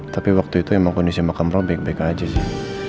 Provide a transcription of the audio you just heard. tapi waktu itu emang kondisi makam roh baik baik aja sih